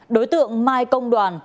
đối tượng mai công đoàn